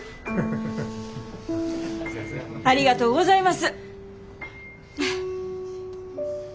ありがとうございます。